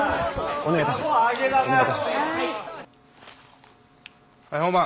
お願いいたします。